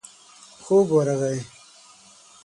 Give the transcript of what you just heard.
خوب ورغی.